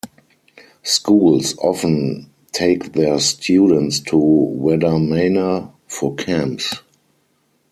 Schools often take their students to Waddamana for camps.